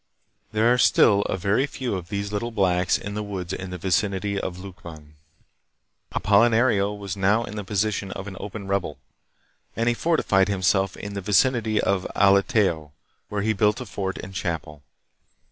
There are still a very few of these little blacks hi the woods in the vicinity of Lukban. PROGRESS AND REVOLUTION. 1837 1807. 265 Apolinario was now in the position of an open rebel, and he fortified himself in the vicinity of Alitao, where he built a fort and chapel.